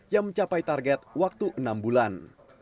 yang mencapai target waktu enam bulan